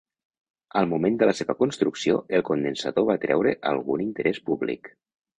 Al moment de la seva construcció, el condensador va atreure algun interès públic.